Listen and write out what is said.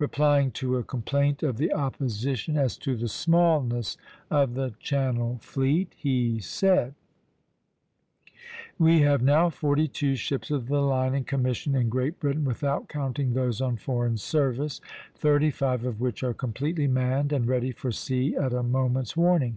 Replying to a complaint of the opposition as to the smallness of the Channel fleet, he said: "We have now forty two ships of the line in commission in Great Britain (without counting those on foreign service), thirty five of which are completely manned, and ready for sea at a moment's warning....